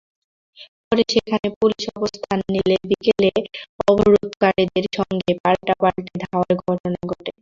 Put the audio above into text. পরে সেখানে পুলিশ অবস্থান নিলে বিকেলে অবরোধকারীদের সঙ্গে পাল্টাপাল্টি ধাওয়ার ঘটনা ঘটে।